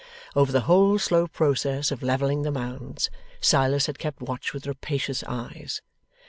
Over the whole slow process of levelling the Mounds, Silas had kept watch with rapacious eyes.